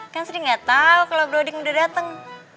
kan sri gak tau kalau boroding udah datang